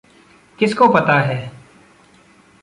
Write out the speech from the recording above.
किसको पता है?